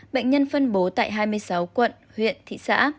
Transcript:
bệnh nhân phân bố tại hai mươi sáu quận huyện thị xã